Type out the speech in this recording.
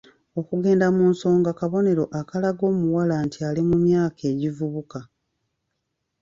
Okugenda mu nsonga kabonero akalaga omuwala nti ali mu myaka egivubuka.